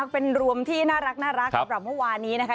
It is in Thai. เป็นรวมที่น่ารักสำหรับเมื่อวานนี้นะคะ